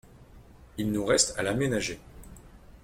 Il nous reste à l’aménager ».